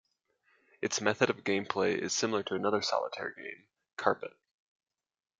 Its method of game play is similar to another solitaire game Carpet.